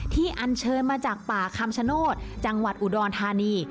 อันเชิญมาจากป่าคำชโนธจังหวัดอุดรธานี